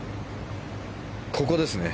ここですね。